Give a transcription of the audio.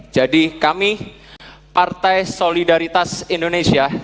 jadi kami partai solidaritas indonesia